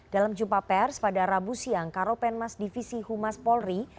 dalam jumpa pers pada rabu siang karopenmas divisi humas polri